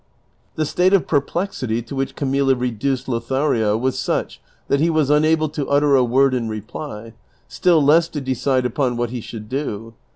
The state of perplexity to which Camilla reduced Lothario was such that he Avas unable to utter a word in reply, still less to decide upon what he should do.